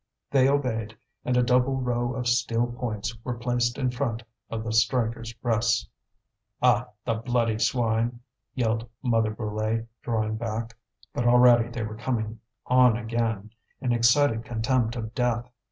They obeyed, and a double row of steel points was placed in front of the strikers' breasts. "Ah! the bloody swine!" yelled Mother Brulé, drawing back. But already they were coming on again, in excited contempt of death.